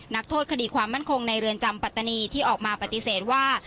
นักโทษคดีความมั่นคงในเรือนจำปัตตานีที่ออกมาปฏิเสธว่า